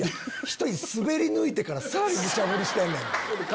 １人スベり抜いてからさらにむちゃぶりしてんねん。